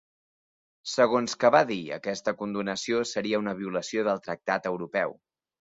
Segons que va dir, aquesta condonació seria “una violació del tractat europeu”.